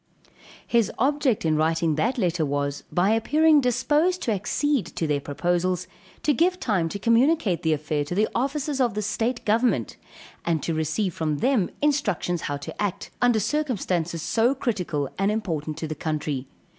His object in writing that letter was, by appearing disposed to accede to their proposals, to give time to communicate the affair to the officers of the state government, and to receive from them instructions how to act, under circumstances so critical and important to the country.